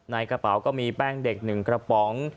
ในกระเป๋าก็มีแป้งเด็ก๑กระป๋อง